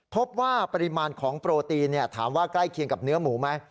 พบว่าปริมาณของโปรตีนถามว่าใกล้เคียงกับเนื้อหมูไหม